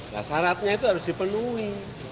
nah syaratnya itu harus dipenuhi